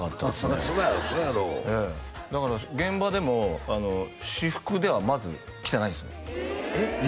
そりゃそうやろだから現場でも私服ではまず来てないですねえっ？